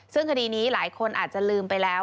ซึ่งคดีนี้หลายคนอาจจะลืมไปแล้ว